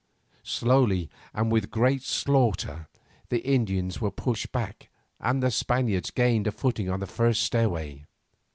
Slowly and with great slaughter the Indians were pushed back and the Spaniards gained a footing on the first stairway.